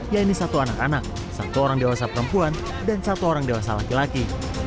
yaitu satu anak anak satu orang dewasa perempuan dan satu orang dewasa laki laki